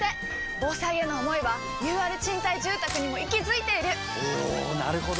防災への想いはＵＲ賃貸住宅にも息づいているおなるほど！